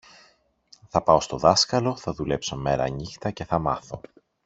Θα πάω στο δάσκαλο, θα δουλέψω μέρανύχτα, και θα μάθω!